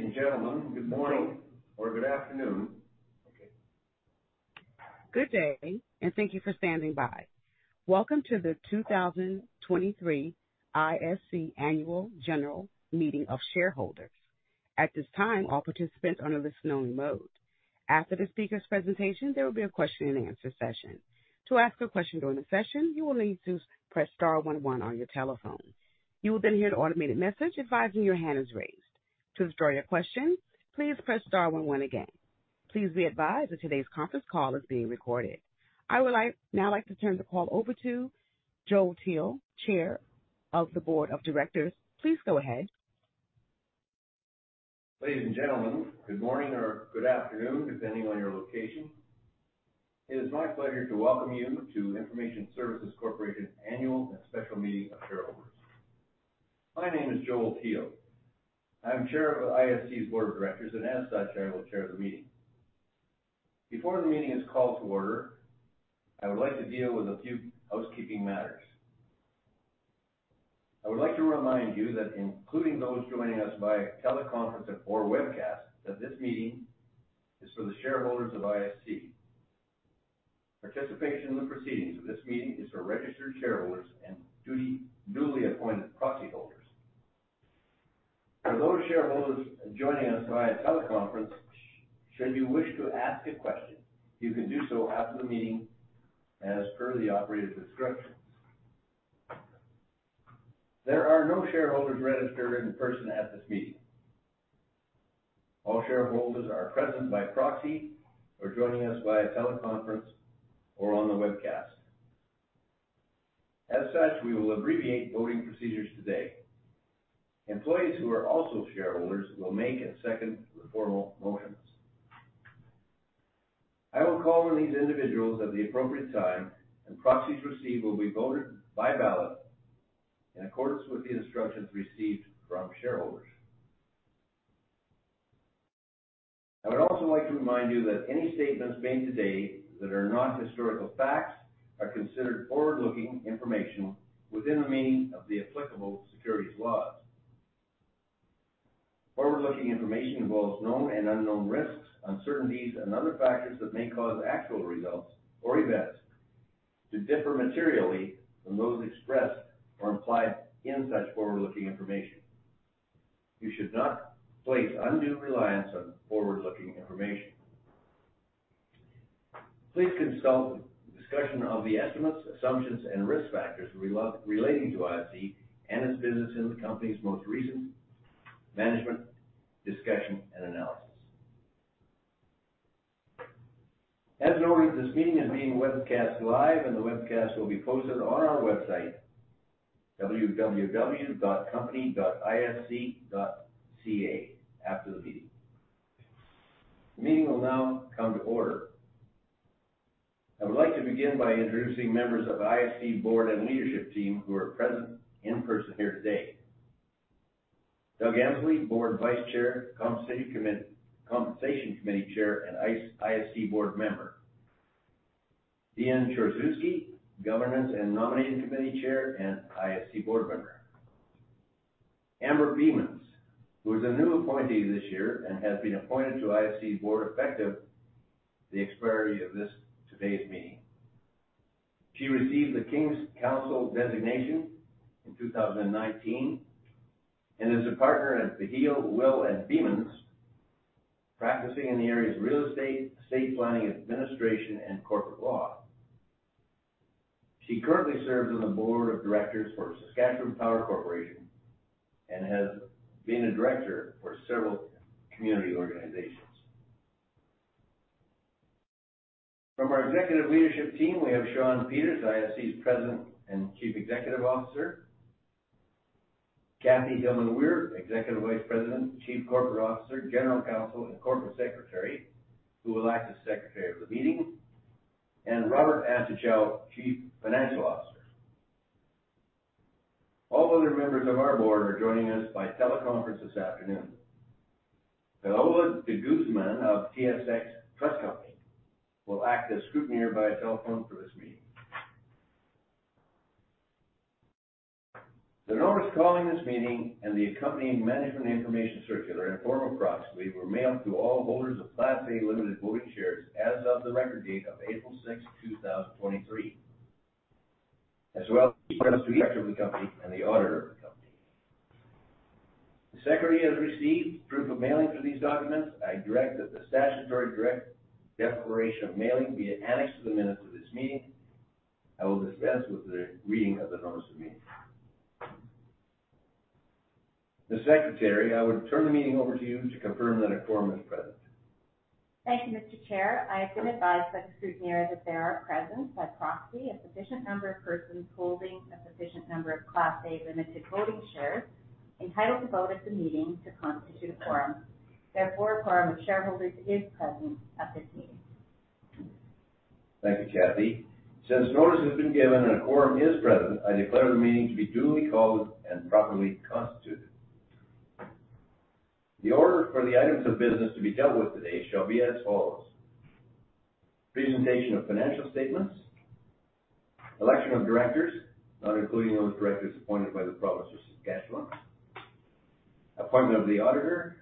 Ladies and gentlemen, good morning or good afternoon. Good day, and thank you for standing by. Welcome to the 2023 ISC Annual General Meeting of Shareholders. At this time, all participants are in listen-only mode. After the speaker's presentation, there will be a question and answer session. To ask a question during the session, you will need to press star one one on your telephone. You will then hear an automated message advising your hand is raised. To withdraw your question, please press star one one again. Please be advised that today's conference call is being recorded. I now like to turn the call over to Joel Teal, Chair of the Board of Directors. Please go ahead. Ladies and gentlemen, good morning or good afternoon, depending on your location. It is my pleasure to welcome you to Information Services Corporation Annual and Special Meeting of Shareholders. My name is Joel Teal. I'm chair of ISC's board of directors and as such, I will chair the meeting. Before the meeting is called to order, I would like to deal with a few housekeeping matters. I would like to remind you that including those joining us via teleconference or webcast, that this meeting is for the shareholders of ISC. Participation in the proceedings of this meeting is for registered shareholders and newly appointed proxy holders. For those shareholders joining us via teleconference, should you wish to ask a question, you can do so after the meeting as per the operator's instructions. There are no shareholders registered in person at this meeting. All shareholders are present by proxy or joining us via teleconference or on the webcast. As such, we will abbreviate voting procedures today. Employees who are also shareholders will make and second the formal motions. I will call on these individuals at the appropriate time, and proxies received will be voted by ballot in accordance with the instructions received from shareholders. I would also like to remind you that any statements made today that are not historical facts are considered forward-looking information within the meaning of the applicable securities laws. Forward-looking information involves known and unknown risks, uncertainties, and other factors that may cause actual results or events to differ materially from those expressed or implied in such forward-looking information. You should not place undue reliance on forward-looking information. Please consult the discussion of the estimates, assumptions, and risk factors relating to ISC and its business in the company's most recent management discussion and analysis. As noted, this meeting is being webcast live, the webcast will be posted on our website, www.company.isc.ca, after the meeting. The meeting will now come to order. I would like to begin by introducing members of ISC Board and leadership team who are present in person here today. Douglas Emsley, Board Vice Chair, Compensation Committee Chair, and ISC Board Member. Dion Tchorzewski, Governance and Nominating Committee Chair, and ISC Board Member. Amber Biemans, who is a new appointee this year and has been appointed to ISC's Board effective the expiry of this today's meeting. She received the King's Counsel designation in 2019 and is a partner at the Behiel, Will & Biemans, practicing in the areas of real estate planning, administration, and corporate law. She currently serves on the board of directors for Saskatchewan Power Corporation and has been a director for several community organizations. From our executive leadership team, we have Shawn Peters, ISC's President and Chief Executive Officer. Kathy Hillman-Weir, Executive Vice-President, Chief Corporate Officer, General Counsel, and Corporate Secretary, who will act as secretary of the meeting. Robert Antochow, Chief Financial Officer. All other members of our board are joining us by teleconference this afternoon. Manolo De Guzman of TSX Trust Company will act as scrutineer via telephone for this meeting. The notice calling this meeting and the accompanying management information circular and form of proxy were mailed to all holders of Class A Limited Voting Shares as of the record date of April 6th, 2023, as well as key parts of the director of the company and the auditor of the company. The secretary has received proof of mailing for these documents. I direct that the statutory direct declaration of mailing be annexed to the minutes of this meeting. I will dispense with the reading of the notice of meeting. The secretary, I would turn the meeting over to you to confirm that a quorum is present. Thank you, Mr. Chair. I have been advised by the Scrutineer that there are present by proxy a sufficient number of persons holding a sufficient number of Class A Limited Voting Shares entitled to vote at the meeting to constitute a quorum. Therefore, a quorum of shareholders is present at this meeting. Thank you, Kathy. Since notice has been given and a quorum is present, I declare the meeting to be duly called and properly constituted. The order for the items of business to be dealt with today shall be as follows: Presentation of financial statements, election of directors, not including those directors appointed by the province of Saskatchewan. Appointment of the auditor.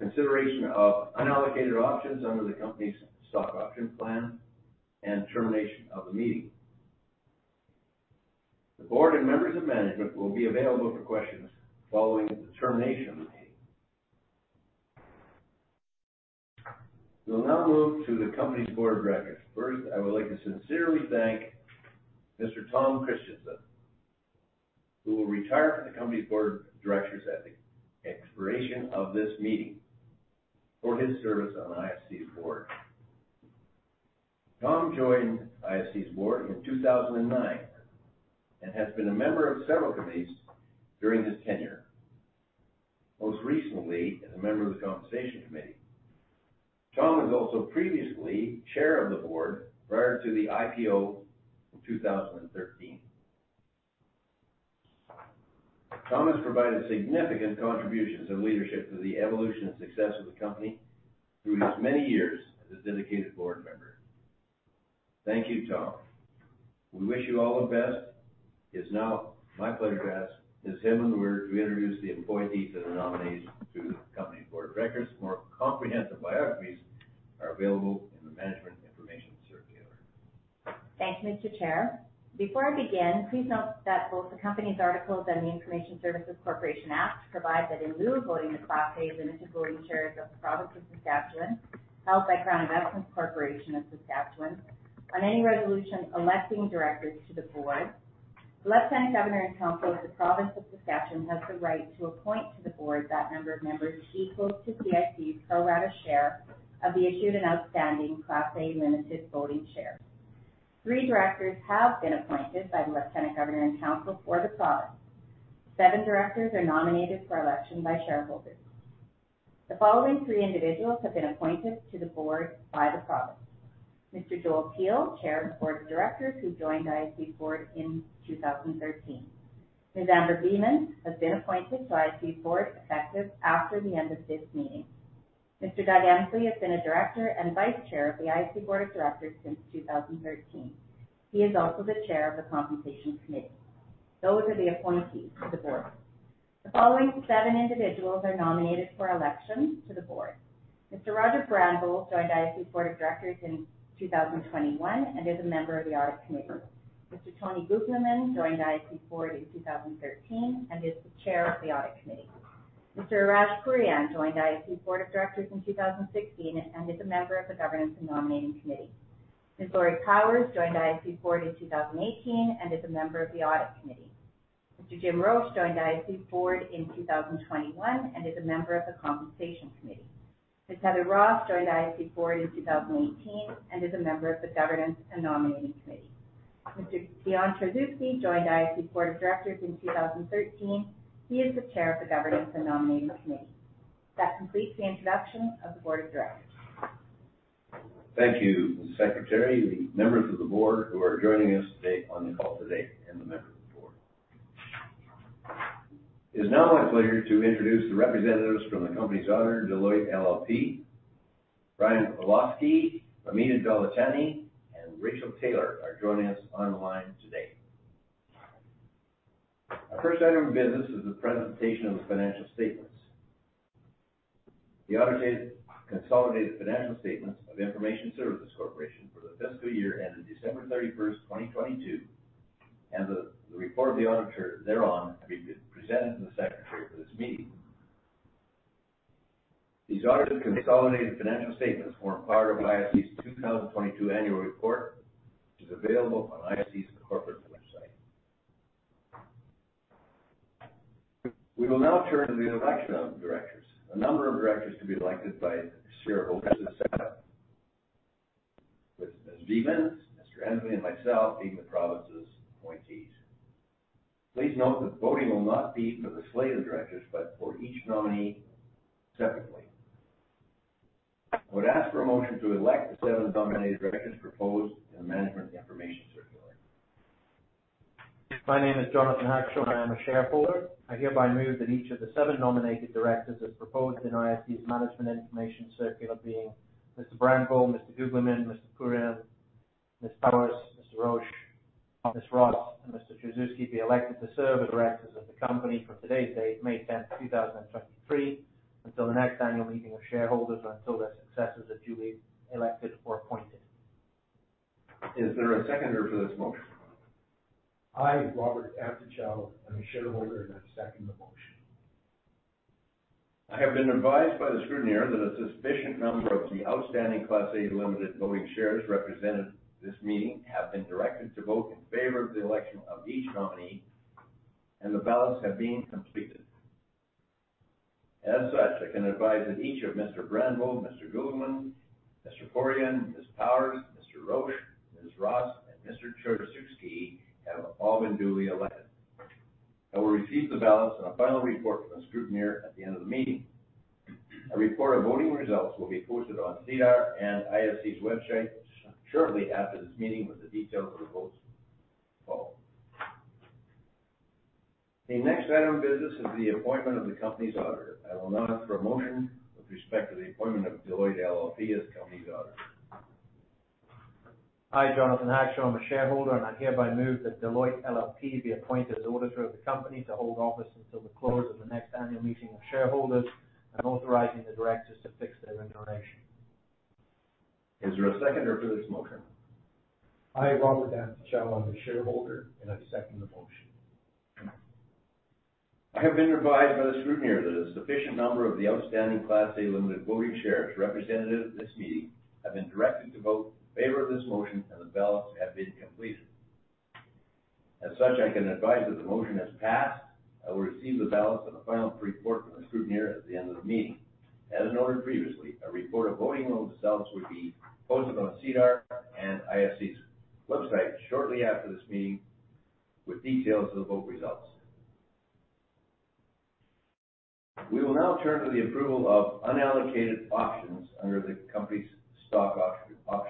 Consideration of unallocated options under the company's stock option plan, and termination of the meeting. The board and members of management will be available for questions following the termination of the meeting. We will now move to the company's board of directors. First, I would like to sincerely thank Mr. Tom Christiansen, who will retire from the company's board of directors at the expiration of this meeting, for his service on ISC's board. Tom joined ISC's Board in 2009 and has been a member of several committees during his tenure. Most recently, as a member of the Compensation Committee. Tom was also previously Chair of the Board prior to the IPO in 2013. Tom has provided significant contributions and leadership to the evolution and success of the Company through his many years as a dedicated Board member. Thank you, Tom. We wish you all the best. It's now my pleasure to ask Ms. Helen Wur to introduce the appointees and the nominees to the Company Board of Directors. More comprehensive biographies are available in the management information circular. Thank you, Mr. Chair. Before I begin, please note that both the company's articles and the Information Services Corporation Act provide that in lieu of voting of Class A Limited Voting Shares of the province of Saskatchewan, held by Crown Investments Corporation of Saskatchewan. On any resolution electing directors to the board, the Lieutenant Governor in Council of the province of Saskatchewan has the right to appoint to the board that number of members equal to ISC's pro rata share of the issued and outstanding Class A Limited Voting Shares. Three directors have been appointed by the Lieutenant Governor in Council for the province. Seven directors are nominated for election by shareholders. The following three individuals have been appointed to the board by the province. Mr. Joel Teal, Chair of the Board of Directors, who joined ISC board in 2013. Ms. Amber Biemans has been appointed to ISC Board effective after the end of this meeting. Mr. Douglas Emsley has been a director and vice chair of the ISC Board of Directors since 2013. He is also the chair of the Compensation Committee. Those are the appointees to the board. The following seven individuals are nominated for election to the board. Mr. Roger Branville joined ISC Board of Directors in 2021 and is a member of the Audit Committee. Mr. Tony Guglielmin joined ISC Board in 2013 and is the chair of the Audit Committee. Mr. Arash Pouryan joined ISC Board of Directors in 2016 and is a member of the Governance and Nominating Committee. Ms. Laurie Powers joined ISC Board in 2018 and is a member of the Audit Committee. Mr. James Roche joined ISC Board in 2021 and is a member of the Compensation Committee. Ms. Heather Ross joined ISC Board in 2018 and is a member of the Governance and Nominating Committee. Mr. Dion Tchorzewski joined ISC Board of Directors in 2013. He is the Chair of the Governance and Nominating Committee. That completes the introduction of the Board of Directors. Thank you, Secretary. The members of the board who are joining us today on the call today and the members of the board. It is now my pleasure to introduce the representatives from the company's auditor, Deloitte LLP. Brian Pawlowski, Amina Belotani, and Rachel Taylor are joining us online today. Our first item of business is the presentation of the financial statements. The audited consolidated financial statements of Information Services Corporation for the fiscal year ending December 31st, 2022, and the report of the auditor thereon have been presented to the secretary for this meeting. These audited consolidated financial statements form part of ISC's 2022 annual report, which is available on ISC's corporate website. We will now turn to the election of directors. A number of directors to be elected by shareholders has been set. With Ms. Biemans, Mr. Emsley, and myself being the province's appointees. Please note that voting will not be for the slate of directors, but for each nominee separately. I would ask for a motion to elect the seven nominated directors proposed in the management information circular. My name is Jonathan Hudson. I am a shareholder. I hereby move that each of the seven nominated directors as proposed in ISC's Management Information Circular, being Mr. Branville, Mr. Guglielmin, Mr. Pouryan, Ms. Powers, Mr. Roche, Ms. Ross, and Mr. Tchorzewski, be elected to serve as directors of the company from today's date, May tenth, two thousand and twenty-three, until the next annual meeting of shareholders, or until their successors are duly elected or appointed. Is there a seconder for this motion? I, Robert Antochow, I'm a shareholder, and I second the motion. I have been advised by the scrutineer that a sufficient number of the outstanding Class A Limited Voting Shares represented at this meeting have been directed to vote in favor of the election of each nominee, and the ballots have been completed. As such, I can advise that each of Mr. Branville, Mr. Guglielmin, Mr. Pouryan, Ms. Powers, Mr. Roche, Ms. Ross, andMr. Tchorzewski have all been duly elected. I will receive the ballots and a final report from the scrutineer at the end of the meeting. A report of voting results will be posted on SEDAR and ISC's website shortly after this meeting with the detailed results follow. The next item of business is the appointment of the company's auditor. I will now ask for a motion with respect to the appointment of Deloitte LLP as the company's auditor. Hi, Jonathan Hackshaw. I'm a shareholder, and I hereby move that Deloitte LLP be appointed as auditor of the company to hold office until the close of the next annual meeting of shareholders and authorizing the directors to fix their remuneration. Is there a seconder for this motion? I, Robert Antochow. I'm the shareholder, and I second the motion. I have been advised by the scrutineer that a sufficient number of the outstanding Class A Limited Voting Shares represented at this meeting have been directed to vote in favor of this motion. The ballots have been completed. As such, I can advise that the motion has passed. I will receive the ballots and the final report from the scrutineer at the end of the meeting. As noted previously, a report of voting on the ballots will be posted on SEDAR and ISC's website shortly after this meeting with details of the vote results. We will now turn to the approval of unallocated options under the company's stock option plan.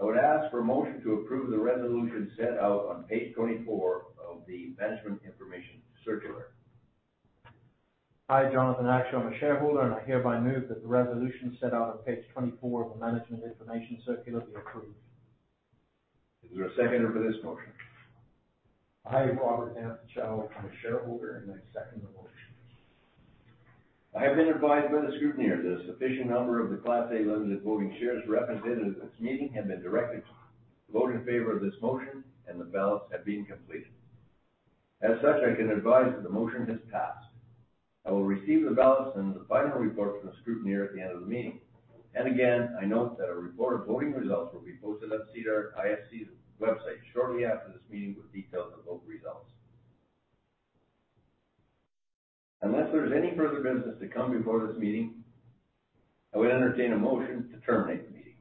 I would ask for a motion to approve the resolution set out on page 24 of the Management Information Circular. Hi, Jonathan Hackshaw. I'm a shareholder. I hereby move that the resolution set out on page 24 of the Management Information Circular be approved. Is there a seconder for this motion? I, Robert Antochow. I'm a shareholder, and I second the motion. I have been advised by the scrutineer that a sufficient number of the Class A Limited Voting Shares represented at this meeting have been directed to vote in favor of this motion, and the ballots have been completed. I can advise that the motion has passed. I will receive the ballots and the final report from the scrutineer at the end of the meeting. Again, I note that a report of voting results will be posted on SEDAR, ISC's website shortly after this meeting with details of vote results. Unless there's any further business to come before this meeting, I would entertain a motion to terminate the meeting.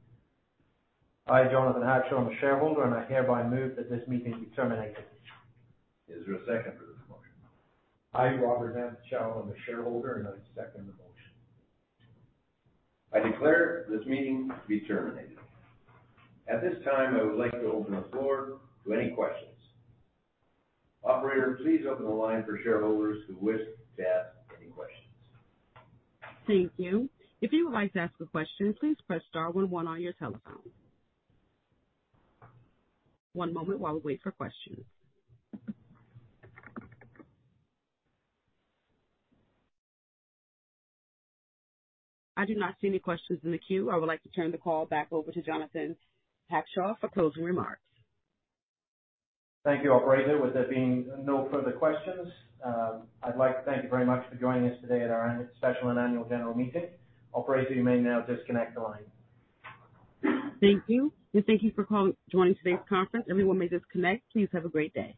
I, Jonathan Hackshaw. I'm a shareholder, and I hereby move that this meeting be terminated. Is there a second for this motion? I, Robert Antochow. I'm a shareholder, and I second the motion. I declare this meeting to be terminated. At this time, I would like to open the floor to any questions. Operator, please open the line for shareholders who wish to ask any questions. Thank you. If you would like to ask a question, please press star one one on your telephone. One moment while we wait for questions. I do not see any questions in the queue. I would like to turn the call back over to Jonathan Hackshaw for closing remarks. Thank you, operator. With there being no further questions, I'd like to thank you very much for joining us today at our special and annual general meeting. Operator, you may now disconnect the line. Thank you. Thank you for joining today's conference. Everyone may disconnect. Please have a great day.